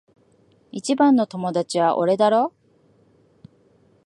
一番の友達は俺だろ？